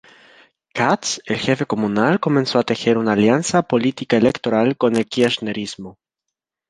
Katz, el jefe comunal comenzó a tejer una alianza política-electoral con el kirchnerismo.